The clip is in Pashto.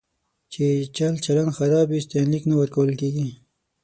چې چلچلن خراب وي، ستاینلیک نه ورکول کېږي.